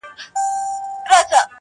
o د تيارې غم په رڼاکي خوره.